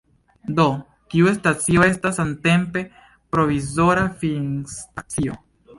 Do, tiu stacio estas samtempe provizora finstacio.